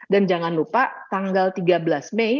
dan jangan lupa tanggal tiga belas mei